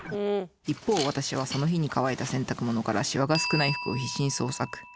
一方私はその日に乾いた洗濯物からしわが少ない服を必死に捜索。